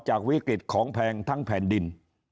จากวิกฤตของแพงทั้งแผ่นดิน